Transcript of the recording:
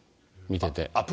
見てて。